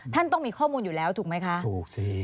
ท่านต้องมีข้อมูลอยู่แล้วถูกไหมคะถูกสิ